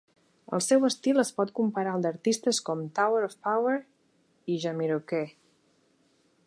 El seu estil es pot comparar al d'artistes com Tower of Power i Jamiroquai.